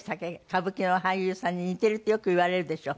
歌舞伎の俳優さんに似てるってよく言われるでしょ？